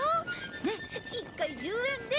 ねっ１回１０円で。